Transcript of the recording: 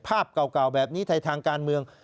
ภาพเก่าแบบนี้ในทางการเมือง